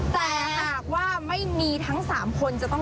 แต่หากว่าไม่มีทั้ง๓คน